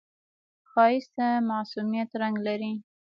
ښایست د معصومیت رنگ لري